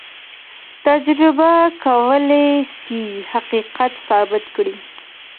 تجربه کولای سي حقيقت ثابت کړي.